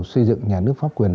xây dựng nhà nước pháp quyền